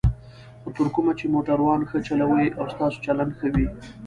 خو تر کومه چې موټران ښه چلوئ او ستاسو چلند ښه وي.